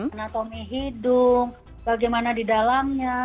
anatomi hidung bagaimana di dalamnya